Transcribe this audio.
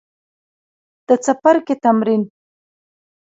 د څپرکي تمرین